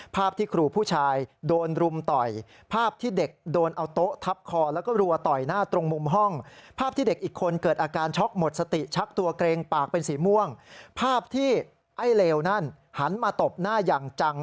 ภาพที่ไอ้เลวนั่นหันมาตบหน้าอย่างจัง